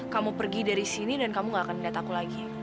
kamu pergi dari sini dan kamu gak akan melihat aku lagi